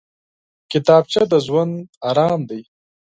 کتابچه د ژوند ارام دی